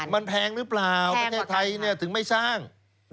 มันแพงหรือเปล่าประเทศไทยถึงไม่สร้าง